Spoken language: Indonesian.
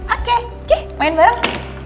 oke oke main bareng